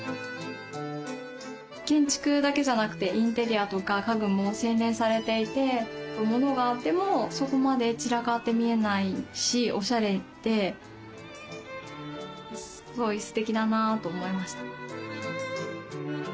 建築だけじゃなくてインテリアとか家具も洗練されていてモノがあってもそこまで散らかって見えないしおしゃれですごいすてきだなと思いました。